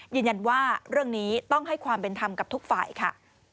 ยืนยันว่าเรื่องนี้ต้องให้ความเป็นธรรมกับทุกฝ่ายค่ะ